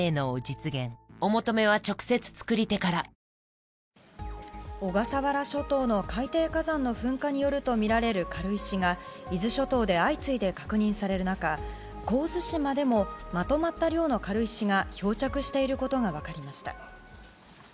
これまでに服部容疑者は小笠原諸島の海底火山の噴火によるとみられる軽石が伊豆諸島で相次いで確認される中神津島でもまとまった量の軽石が漂着していることが分かりました。